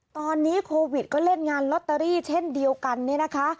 ตอนนี้โควิดก็เล่นงานลอตเตอรี่เช่นเดียวกันเนี่ยนะคะ